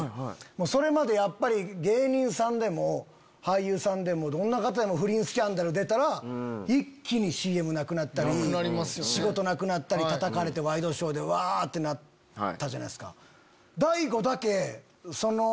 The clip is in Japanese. それまでやっぱり芸人さんでも俳優さんでもどんな方でも不倫スキャンダル出たら一気にＣＭなくなったり仕事なくなったりたたかれてワイドショーでうわってなったじゃないですか。